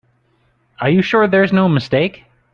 Are you sure there's no mistake?